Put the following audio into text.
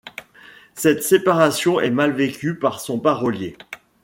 Cette séparation est mal vécue par son parolier.